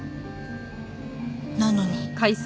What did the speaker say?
なのに。